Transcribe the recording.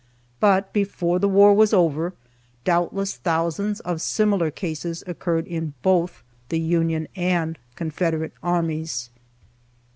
But, before the war was over, doubtless thousands of similar cases occurred in both the Union and Confederate armies.